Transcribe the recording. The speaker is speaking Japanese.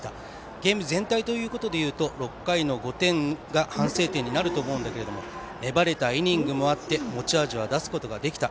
ゲーム全体ということでいうと６回の５点が反省点になると思うんだけど粘れたイニングもあって持ち味は出すことができた。